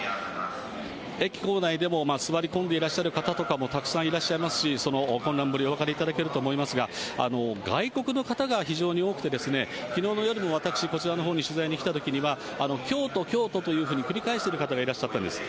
駅構内でも、座り込んでいらっしゃる方とかもたくさんいらっしゃいますし、その混乱ぶり、お分かりいただけると思いますが、外国の方が非常に多くて、きのうの夜も私、こちらのほうに取材に来たときには、京都、京都というふうに繰り返してる方がいらっしゃったんです。